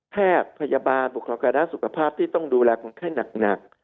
แพทย์พยาบาลบุคลากรการด้านสุขภาพที่ต้องดูแลคนไข้หนัก